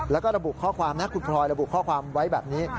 แล้วก็ระบุข้อความนะคุณพลอยระบุข้อความไว้แบบนี้